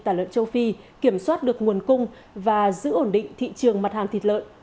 tả lợn châu phi kiểm soát được nguồn cung và giữ ổn định thị trường mặt hàng thịt lợn